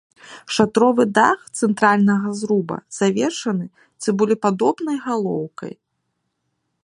Шатровы дах цэнтральнага зруба завершаны цыбулепадобнай галоўкай.